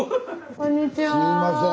こんにちは。